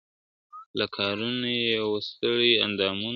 له کارونو یې وه ستړي اندامونه !.